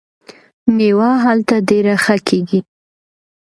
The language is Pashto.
میوه هلته ډیره ښه کیږي.